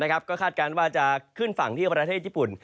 ก็คาดการณ์ว่าจะขึ้นฝั่งที่ประเทศญี่ปุ่น